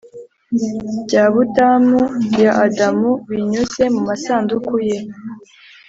bya budamu ya adamu binyuze mumasanduku ye,